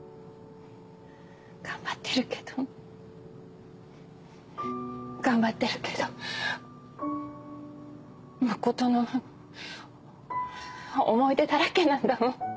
頑張ってるけど頑張ってるけど誠の思い出だらけなんだもん。